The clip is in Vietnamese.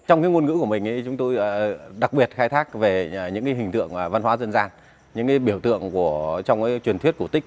trong ngôn ngữ của mình chúng tôi đặc biệt khai thác về những hình tượng văn hóa dân gian những biểu tượng trong truyền thuyết cổ tích